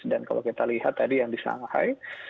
dan kalau kita lihat tadi yang di shanghai